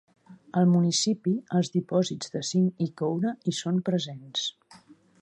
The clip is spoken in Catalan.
Al municipi, els dipòsits de zinc i coure hi són presents.